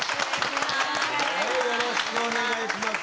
お願いします。